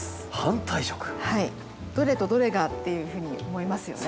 「どれとどれが？」っていうふうに思いますよね。